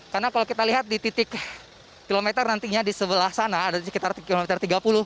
karena kalau kita lihat di titik kilometer nantinya di sebelah sana ada di sekitar kilometer tiga puluh